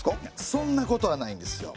そんなことはないんですよ。